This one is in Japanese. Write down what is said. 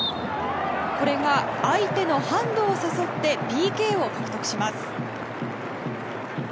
これが相手のハンドを誘ってＰＫを獲得します。